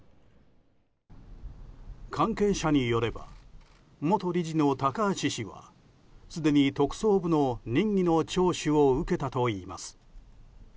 関係者によれば元理事の高橋氏はすでに特捜部の任意の聴取を受けたといいます。